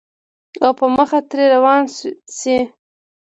او پۀ مخه ترې روان شې